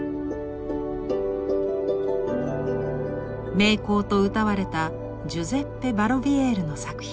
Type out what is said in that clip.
名工とうたわれたジュゼッペ・バロヴィエールの作品。